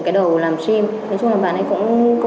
cho tôi làm lại cái sim các nhân viên bảo là chỉ đưa chứng minh thư